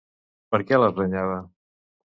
Per què les renyava?